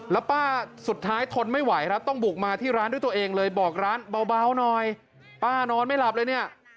แล้วป้าสุดท้ายทนไม่ไหวครับต้องบุกมาที่ร้านด้วยตัวเองเลยบอกร้านเบาหน่อยป้านอนไม่หลับเลยเนี่ย